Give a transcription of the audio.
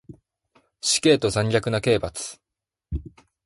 死刑と残虐な刑罰